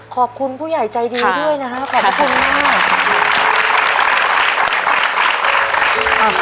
ขอบคุณผู้ใหญ่ใจดีด้วยนะครับขอบพระคุณมาก